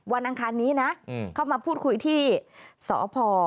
อังคารนี้นะเข้ามาพูดคุยที่สพ